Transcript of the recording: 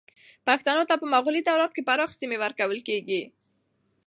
پښتنو ته په مغلي دولت کې پراخې سیمې ورکول کېدې.